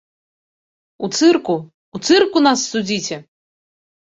У цырку, у цырку нас судзіце!